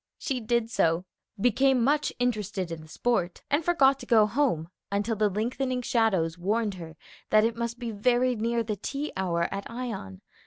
She did so, became much interested in the sport, and forgot to go home until the lengthening shadows warned her that it must be very near the tea hour at Ion.